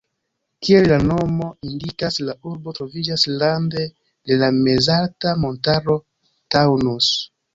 Kiel la nomo indikas, la urbo troviĝas rande de la mezalta montaro Taunus.